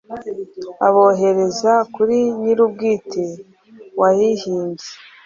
abohereza kuri nyir'ubwite wayihimbye.